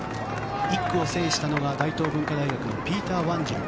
１区を制したのは大東文化大学のピーター・ワンジル。